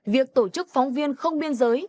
việc tổ chức phóng viên không biên giới